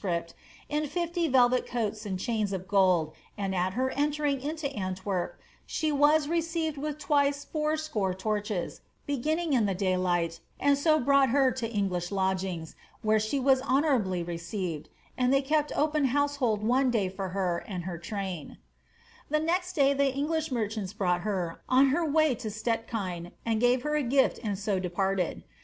■■' in lifiy velvet coats and chaiiia of goU,&U(l at her entering into Antwerp she was received with twice four Kore torches, beginning in the daylight, and ao brought her to her Eng ii«b lodging, where she was honourably received, and they kept open houarholil one day for her and hei 1 day the Engliah merchants brought her, on her way to Slelkytt, aud gave her a gift and ao departed.